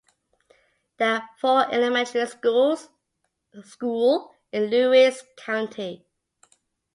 There are four elementary school in Lewis County.